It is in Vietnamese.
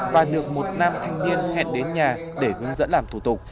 và được một nam thanh niên hẹn đến nhà để hướng dẫn làm thủ tục